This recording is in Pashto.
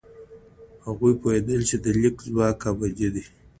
هغوی پوهېدل چې د لیک ځواک ابدي دی.